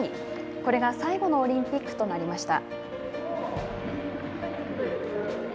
これが最後のオリンピックとなりました。